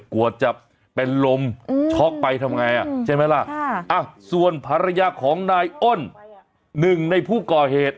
กลัวจะเป็นลมช็อกไปทำไงใช่ไหมล่ะส่วนภรรยาของนายอ้นหนึ่งในผู้ก่อเหตุ